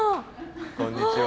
こんにちは。